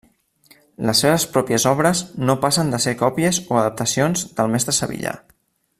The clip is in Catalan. Les seves pròpies obres no passen de ser còpies o adaptacions del mestre sevillà.